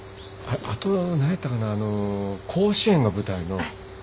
あとは何やったかなああの甲子園が舞台の。